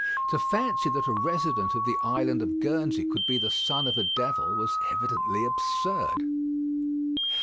To fancy that a resident of the island of Guernsey could be the son of a devil was evidently absurd.